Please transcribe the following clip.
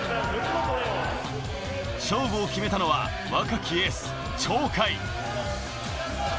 勝負を決めたのは、若きエース・鳥海。